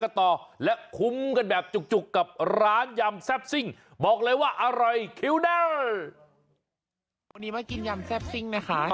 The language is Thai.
ก็ต่อและคุ้มกันแบบจุกกับร้านยำแซ่บซิ่ง